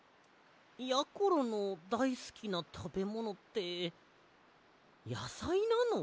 やころのだいすきなたべものってやさいなの？